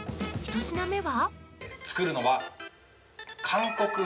１品目は作るのは。